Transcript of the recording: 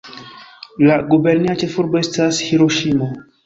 La gubernia ĉefurbo estas Hiroŝimo.